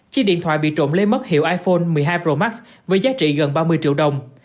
chiếc điện thoại bị trộm lấy mất hiệu iphone một mươi hai pro max với giá trị gần ba mươi triệu đồng